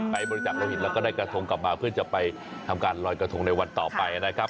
บริจักษโลหินแล้วก็ได้กระทงกลับมาเพื่อจะไปทำการลอยกระทงในวันต่อไปนะครับ